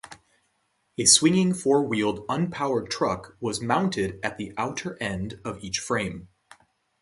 A swinging four-wheeled, unpowered truck was mounted at the outer end of each frame.